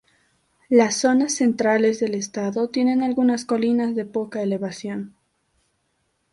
Las zonas centrales del estado tienen algunas colinas de poca elevación.